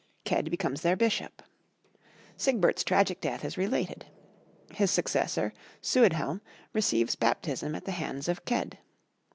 Cedd becomes their bishop. Sigbert's tragic death is related. His successor, Suidhelm, receives baptism at the hands of Cedd.